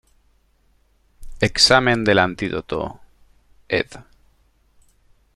Examen del Antídoto, ed.